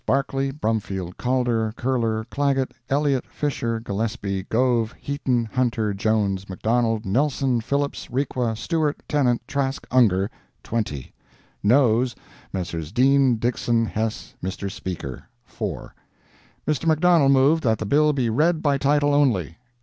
Barclay, Brumfield, Calder, Curler, Clagett, Elliott, Fisher, Gillespie, Gove, Heaton, Hunter, Jones, McDonald, Nelson, Phillips, Requa, Stewart, Tennant, Trask, Ungar—20. NOES—Messrs. Dean, Dixson, Hess, Mr. Speaker—4. Mr. McDonald moved that the bill be read by title only.